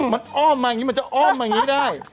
มันอ้อมมาอย่างนี้มันจะอ้อมมาอย่างนี้ได้